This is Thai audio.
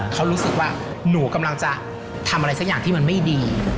เขารู้สึกว่าหนูกำลังจะทำอะไรสักอย่างที่มันไม่ดี